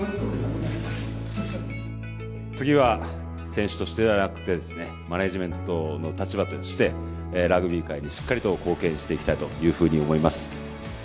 次は選手としてではなくてですねマネージメントの立場としてラグビー界にしっかりと貢献していきたいというふうに思います。